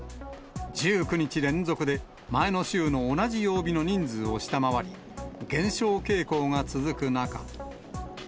１９日連続で、前の週の同じ曜日の人数を下回り、減少傾向が続く中。